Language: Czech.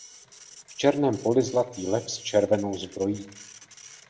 V černém poli zlatý lev s červenou zbrojí.